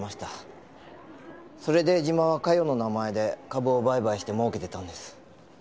それで江島は佳世の名前で株を売買して儲けてたんです。